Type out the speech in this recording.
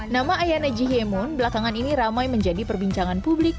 nama ayana jihemon belakangan ini ramai menjadi perbincangan publik